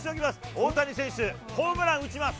大谷選手、ホームラン打ちます。